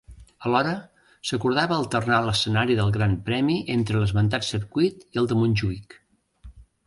Alhora, s'acordava alternar l'escenari del gran premi entre l'esmentat circuit i el de Montjuïc.